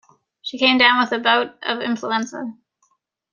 She came down with a bout of influenza.